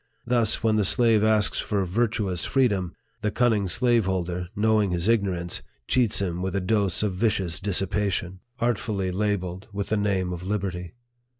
Thus, when the slave asks for virtuous freedom, the cunning slaveholder, knowing his ignorance, cheats him with a dose of vicious dissi 76 NARRATIVE OF THE pation, artfully labelled with the name of liberty.